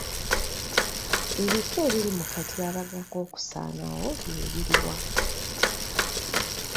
Ebika ebiri mu katyabaga k'okusaanawo bye biri wa?